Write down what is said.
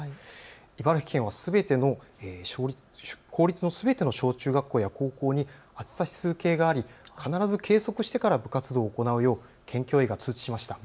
茨城県は公立のすべての小中学校や高校に暑さ指数計があり必ず計測してから部活動を行うよう県教委が通知しました。